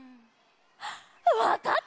わかった！